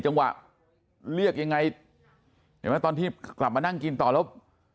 จังหวะเรียกยังไงเห็นไหมตอนที่กลับมานั่งกินต่อแล้ว